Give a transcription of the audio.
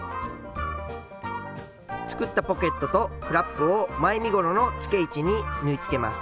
作ったポケットとフラップを前身ごろのつけ位置に縫いつけます。